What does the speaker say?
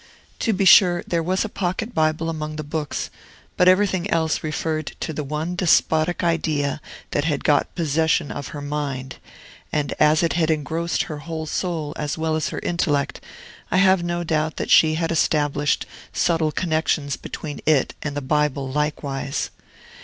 To be sure, there was a pocket Bible among the books, but everything else referred to the one despotic idea that had got possession of her mind; and as it had engrossed her whole soul as well as her intellect, I have no doubt that she had established subtile connections between it and the Bible likewise.